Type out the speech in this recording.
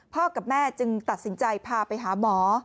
กับแม่จึงตัดสินใจพาไปหาหมอ